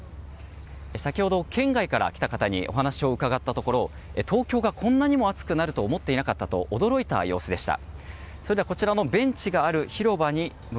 先ほど県外から来た方にお話を伺ったところ東京がこんなにも暑くなると思っていなかったと驚いた様子でした。